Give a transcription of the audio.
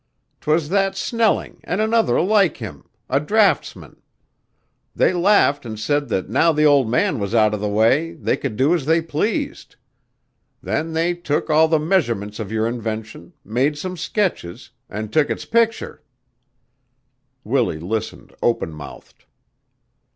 'Twas that Snelling an' another like him, a draughtsman. They laughed an' said that now the old man was out of the way they could do as they pleased. Then they took all the measurements of your invention, made some sketches, an' took its picter." Willie listened, open mouthed.